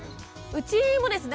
うちもですね